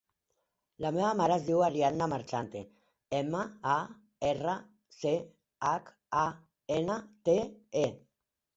La meva mare es diu Ariadna Marchante: ema, a, erra, ce, hac, a, ena, te, e.